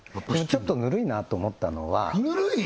ちょっとぬるいなと思ったのはぬるい！？